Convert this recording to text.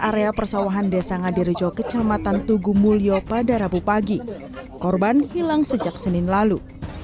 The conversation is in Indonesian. area persawahan desa ngadirejo kecamatan tugu mulyo pada rabu pagi korban hilang sejak senin lalu